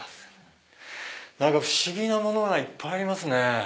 何か不思議なものがいっぱいありますね。